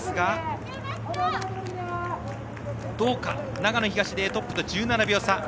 長野東でトップと１７秒差。